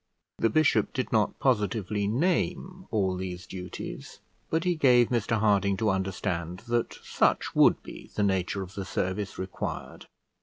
The bishop did not positively name all these duties, but he gave Mr Harding to understand that such would be the nature of the service required.